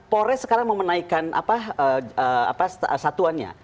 polres sekarang mau menaikkan satuannya